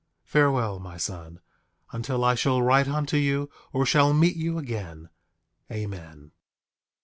8:30 Farewell, my son, until I shall write unto you, or shall meet you again. Amen.